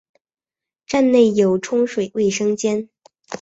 站内有冲水卫生间。